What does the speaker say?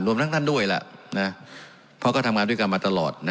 ทั้งท่านด้วยล่ะเพราะก็ทำงานด้วยกันมาตลอด